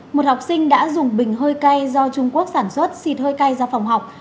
một học sinh đã dùng bình hơi cay do trung quốc sản xuất xịt hơi cay ra phòng học